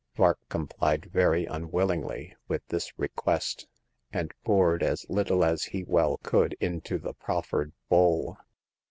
Vark complied very unwillingly with this request, and poured as little as he well could into the proffered bowl.